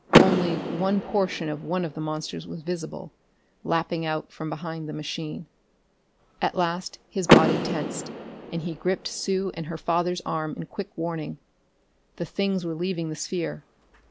Only one portion of one of the monsters was visible, lapping out from behind the machine.... At last his body tensed, and he gripped Sue and her father's arm in quick warning. The things were leaving the sphere.